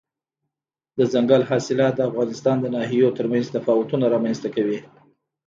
دځنګل حاصلات د افغانستان د ناحیو ترمنځ تفاوتونه رامنځ ته کوي.